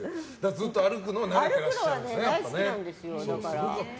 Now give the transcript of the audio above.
ずっと歩くのは慣れていらっしゃる。